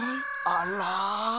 あら。